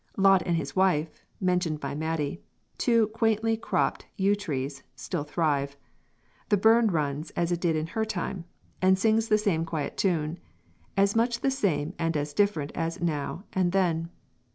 "Lot and his wife," mentioned by Maidie, two quaintly cropped yew trees, still thrive; the burn runs as it did in her time, and sings the same quiet tune, as much the same and as different as Now and Then.